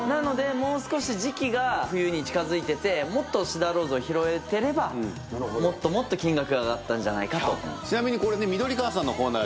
もう少し時期が冬に近づいてて發辰シダーローズを拾えてれば發辰もっと金額が上がったんじゃないかと。